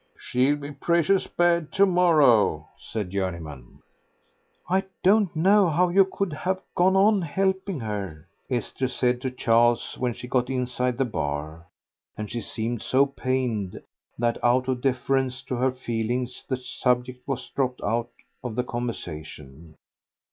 "She'll be precious bad to morrow," said Journeyman. "I don't know how you could have gone on helping her," Esther said to Charles when she got inside the bar; and she seemed so pained that out of deference to her feelings the subject was dropped out of the conversation.